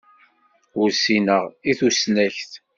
Ur ssineɣ i tusnakt.